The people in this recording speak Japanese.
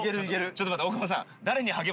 ちょっと待って大久保さん。